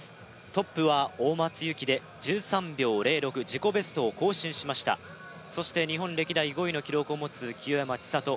トップは大松由季で１３秒０６自己ベストを更新しましたそして日本歴代５位の記録を持つ清山ちさと